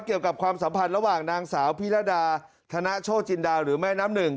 ความสัมพันธ์ระหว่างนางสาวพิรดาธนโชจินดาหรือแม่น้ำหนึ่ง